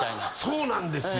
そうなんですよ。